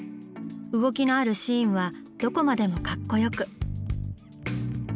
動きのあるシーンはどこまでもカッコよく。